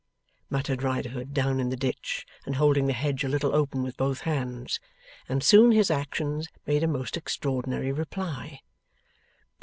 muttered Riderhood, down in the ditch, and holding the hedge a little open with both hands. And soon his actions made a most extraordinary reply.